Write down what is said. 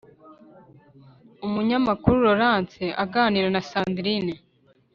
umunyamakuru laurence aganira na sandrine